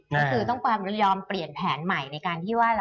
ก็คือต้องยอมเปลี่ยนแผนใหม่ในการที่ว่า